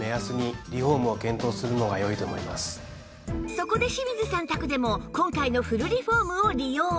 そこで清水さん宅でも今回のフルリフォームを利用